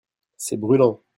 C'est brulant.